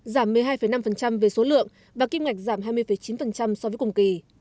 giảm một mươi hai năm về số lượng và kim ngạch giảm hai mươi chín so với cùng kỳ